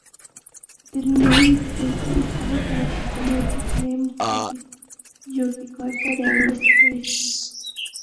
The name Tugu is also an alternative name for the Yogyakarta railway station.